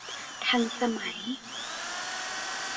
ทันสมัย